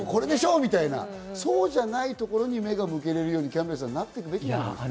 みたいな、そうじゃないところに目が向けられるようにキャンベルさん、なっていくべきですね。